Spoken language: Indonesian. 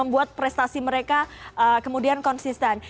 buat prestasi mereka kemudian konsisten